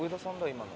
今の。